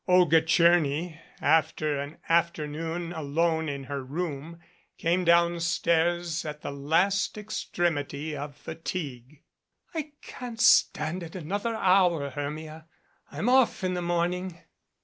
Olga Tcherny, after an afternoon alone in her room, came downstairs at the last extremity of fatigue. "I can't stand it another hour, Hermia. I am off in the morning."